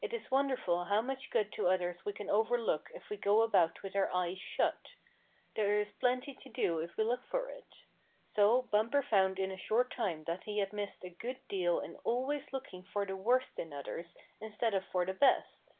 It is wonderful how much good to others we can overlook if we go about with our eyes shut. There is plenty to do if we look for it. So Bumper found in a short time that he had missed a good deal in always looking for the worst in others instead of for the best.